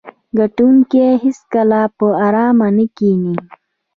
ګټونکي هیڅکله په ارامه نه کیني.